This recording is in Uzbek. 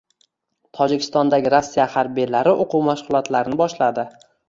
Tojikistondagi Rossiya harbiylari o‘quv mashg‘ulotlarini boshladi